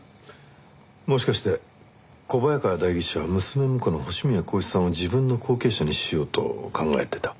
もしかして小早川代議士は娘婿の星宮光一さんを自分の後継者にしようと考えてた？